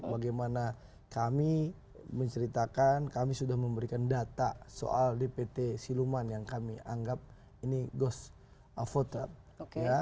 bagaimana kami menceritakan kami sudah memberikan data soal dpt siluman yang kami anggap ini ghost voter